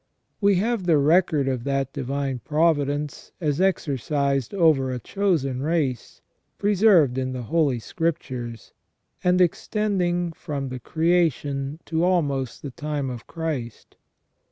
We have the record of that divine providence, as exercised over a chosen race, preserved in the Holy Scriptures, and extending from the creation to almost the time of Christ.